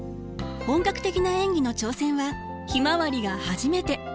本格的な演技の挑戦は「ひまわり」が初めて。